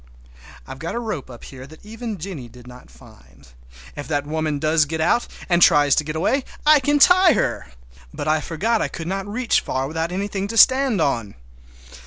I've got a rope up here that even Jennie did not find. If that woman does get out, and tries to get away, I can tie her! But I forgot I could not reach far without anything to stand on!